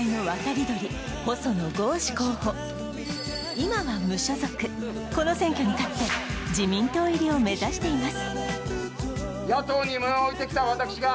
今は無所属、この選挙に勝って自民党入りを目指しています。